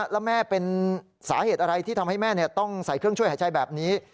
แล้วแม่เป็นสาเหตุอะไรที่ทำให้แม่ต้องใส่เครื่องช่วยหายใจแบบนี้